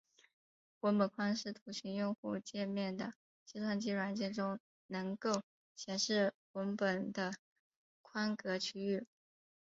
文本框是图形用户界面的计算机软件中能够显示文本的框格区域。